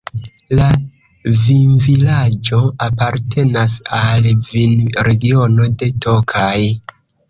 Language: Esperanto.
La vinvilaĝo apartenas al vinregiono de Tokaj.